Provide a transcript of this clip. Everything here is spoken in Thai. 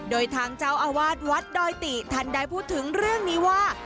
โดยทางเจ้าอาวาสวัดดอยติท่านได้พูดถึงเรื่องนี้ว่า